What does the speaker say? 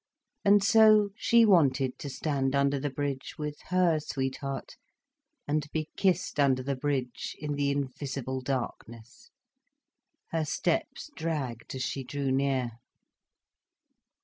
And so she wanted to stand under the bridge with her sweetheart, and be kissed under the bridge in the invisible darkness. Her steps dragged as she drew near.